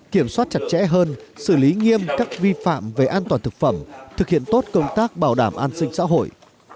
kiểm soát chặt chẽ hơn xử lý nghiêm các vi phạm về an toàn thực phẩm thực hiện tốt công tác bảo đảm an sinh xã hội